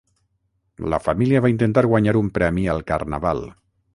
La família va intentar guanyar un premi al carnaval.